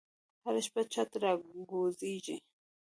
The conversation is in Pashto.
هره شپه چت راکوزیږې